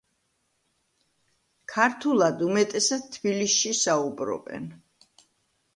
ქართულად უმეტესად თბილიში საუბრობენ.